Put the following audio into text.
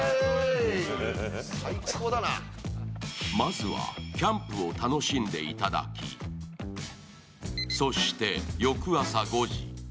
まずはキャンプを楽しんでいただき、そして翌朝５時。